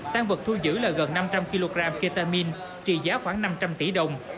tăng vật thu giữ là gần năm trăm linh kg ketamine trị giá khoảng năm trăm linh tỷ đồng